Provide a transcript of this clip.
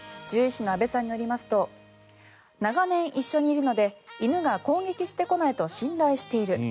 獣医師の阿部さんによりますと長年一緒にいるので犬が攻撃してこないと信頼している。